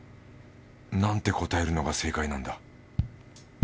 なんて答えるのが正解なんだ？